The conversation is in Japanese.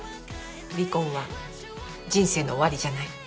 離婚は人生の終わりじゃない